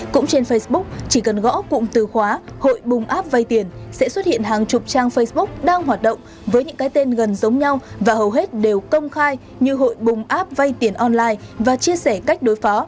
cũng trên facebook chỉ cần gõ cụm từ khóa hội bùng app vay tiền sẽ xuất hiện hàng chục trang facebook đang hoạt động với những cái tên gần giống nhau và hầu hết đều công khai như hội bùng app vay tiền online và chia sẻ cách đối phó